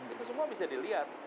itu semua bisa dilihat